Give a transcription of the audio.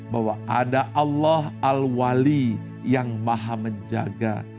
bahwa ada allah al wali yang maha menjaga